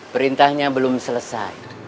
perintahnya belum selesai